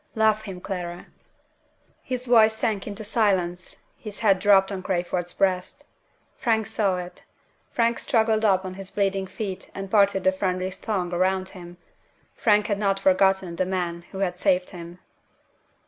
'Love him, Clara '" His voice sank into silence; his head dropped on Crayford's breast. Frank saw it. Frank struggled up on his bleeding feet and parted the friendly throng round him. Frank had not forgotten the man who had saved him.